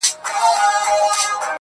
مخ به در واړوم خو نه پوهېږم.